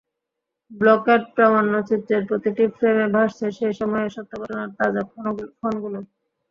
Blocked প্রামাণ্যচিত্রের প্রতিটি ফ্রেমে ভাসছে সেই সময়ের সত্য ঘটনার তাজা ক্ষণগুলো।